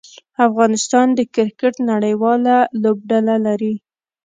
افغانستان د کرکټ نړۍواله لوبډله لري.